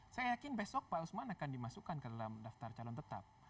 saya yakin besok pak usman akan dimasukkan ke dalam daftar calon tetap